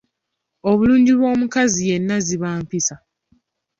Obulungi bw’omukazi yenna ziba mpisa.